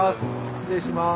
失礼します。